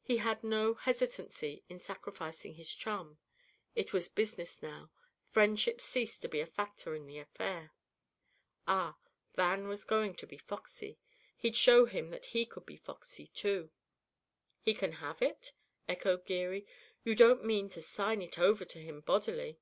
He had no hesitancy in sacrificing his chum. It was business now; friendship ceased to be a factor in the affair. Ah, Van was going to be foxy; he'd show him that he could be foxy, too. "He can have it?" echoed Geary. "You don't mean to sign it over to him bodily?"